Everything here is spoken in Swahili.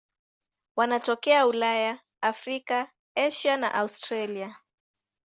Wanatokea Ulaya, Afrika, Asia na Australia.